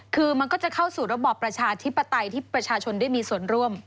คือมันก็จะเข้าสู่ระบอบประชาธิปไตยที่ประชาชนได้มีส่วนร่วม